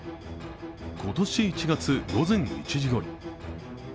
今年１月、午前１時ごろ。